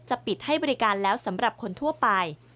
ปิดให้บริการแล้วสำหรับคนทั่วไป